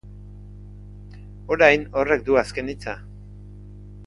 Orain, horrek du azken hitza.